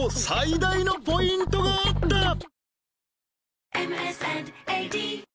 最大のポイントがあった